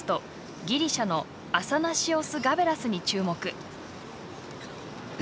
ギリシャのアサナシオス・ガベラスに注目。